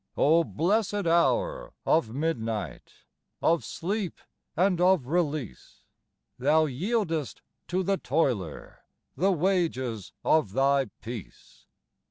O blessed hour of midnight, Of sleep and of release, Thou yieldest to the toiler The wages of thy peace.